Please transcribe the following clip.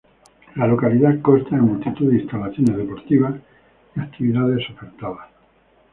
La localidad consta de multitud de instalaciones deportivas y actividades ofertadas.